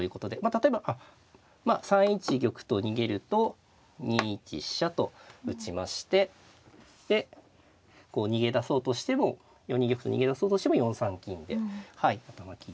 例えば３一玉と逃げると２一飛車と打ちましてでこう逃げ出そうとしても４二玉と逃げ出そうとしても４三金で頭金ですね。